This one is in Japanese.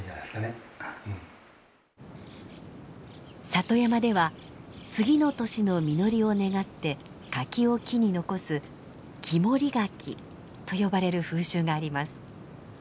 里山では次の年の実りを願って柿を木に残す「木守柿」と呼ばれる風習があります。